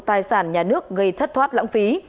tài sản nhà nước gây thất thoát lãng phí